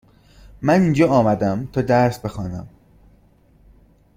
من اینجا آمدم تا درس بخوانم.